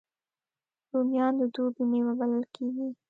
رومیان د دوبي میوه بلل کېږي